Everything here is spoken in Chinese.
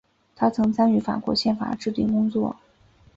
他曾参与法国宪法的制订工作。